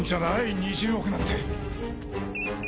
２０億なんて。